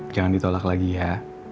jangan ditolak lagi ya